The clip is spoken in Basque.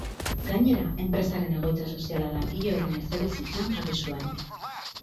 Gainera, enpresaren egoitza soziala langile horren etxebizitzan jarri zuen.